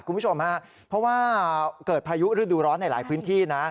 คุณผู้ชมฮะเพราะว่าเกิดพายุฤดูร้อนในหลายพื้นที่นะ